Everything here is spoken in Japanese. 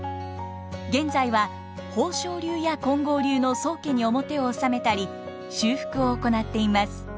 現在は宝生流や金剛流の宗家に面を納めたり修復を行っています。